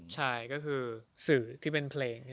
ใช่ก็คือสื่อที่เป็นเพลง